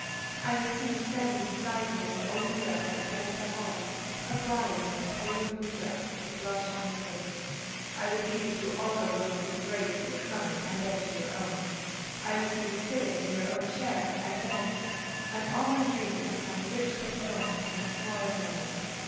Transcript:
I would see you standing beside me in the old mirror at the end of the hall a bride, in your pale blue dress, with a blush on your face. I would lead you through all the rooms made ready for your coming, and then to your own. I would see you sitting in your own chair and all my dreams would find rich fulfilment in that royal moment.